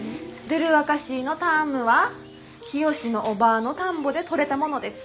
ドゥルワカシーの田芋はキヨシのおばぁの田んぼで取れたものです。